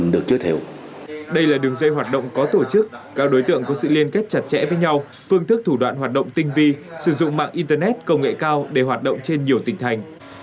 đây là đường dây hoạt động có tổ chức các đối tượng có sự liên kết chặt chẽ với nhau phương thức thủ đoạn hoạt động tinh vi sử dụng mạng internet công nghệ cao để hoạt động trên nhiều tỉnh thành